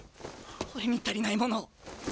俺に足りないものを。